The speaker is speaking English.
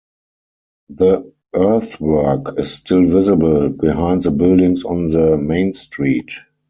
The earthwork is still visible behind the buildings on the main street.